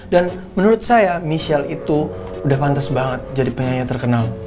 dan menurut saya michelle itu udah pantas banget jadi penyanyi terkenal